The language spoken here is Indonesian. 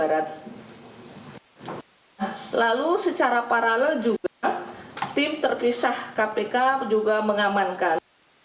lalu secara paralel juga tim terpisah kpk juga mengamankan